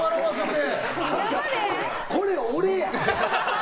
これは俺や！